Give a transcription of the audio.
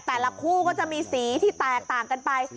แต่ละคู่ก็จะมีสีที่แตกต่างกันไป